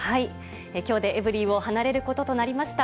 きょうでエブリィを離れることとなりました。